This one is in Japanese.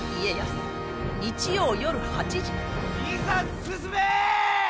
いざ進め！